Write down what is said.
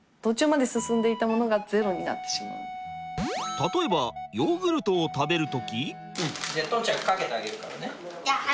例えばヨーグルトを食べる時。